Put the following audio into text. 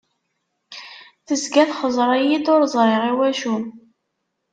Tezga txeẓẓer-iyi-d, ur ẓriɣ iwacu!